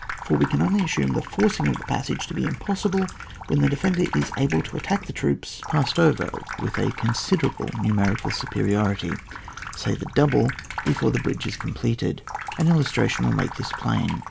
For we can only assume the forcing of the passage to be impossible when the defender is able to attack the troops CHAP, xvm.] DEFENCE OF STREAMS AND RIVERS. 135 passed over with a considerable numerical euperiorityt say ths double, before the bridge is completed. An illastratioii will make this plain.